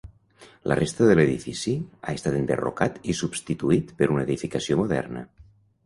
La resta de l'edifici ha estat enderrocat i substituït per una edificació moderna.